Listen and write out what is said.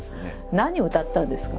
何を歌ったんですか？